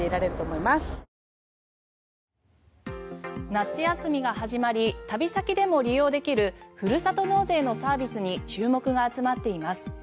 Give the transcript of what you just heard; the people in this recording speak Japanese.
夏休みが始まり旅先でも利用できるふるさと納税のサービスに注目が集まっています。